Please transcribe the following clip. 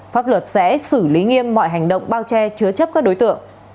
pháp luật sẽ xử lý nghiêm mọi hành động bao che chứa chấp các đối tượng